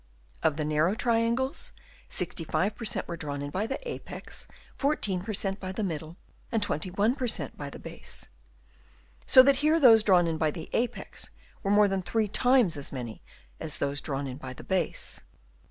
Of the narrow triangles, 65 per cent, were drawn in by the apex, 14 per cent, by the middle, and 21 per cent, by the base ; so that here those drawn in by the apex were more than 3 times as many as those drawn in by the base.